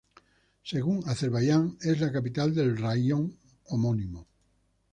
Según Azerbaiyán, es la capital del raión homónimo.